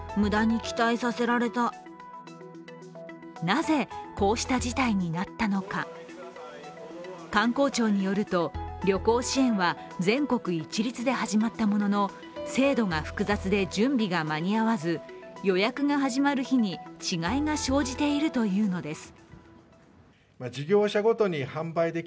なぜ、こうした事態になったのか観光庁によると、旅行支援は全国一律で始まったものの制度が複雑で準備が間に合わず予約が始まる日に違いが生じているというのです。